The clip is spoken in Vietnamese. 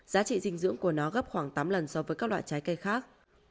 giá trị dinh dưỡng của nó gấp khoảng tám lần so với các loại trái cây khác